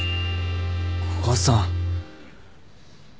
古賀さん。